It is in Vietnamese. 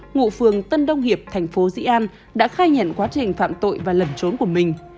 ngụ phường tân đông hiệp thành phố dĩ an đã khai nhận quá trình phạm tội và lẩn trốn của mình